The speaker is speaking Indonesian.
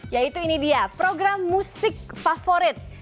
yaitu ini dia program musik favorit